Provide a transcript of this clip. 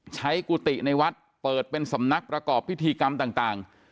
กุฏิในวัดเปิดเป็นสำนักประกอบพิธีกรรมต่าง